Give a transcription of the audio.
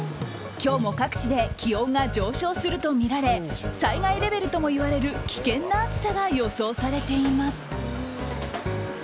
今日も各地で気温が上昇するとみられ災害レベルともいわれる危険な暑さが予想されています。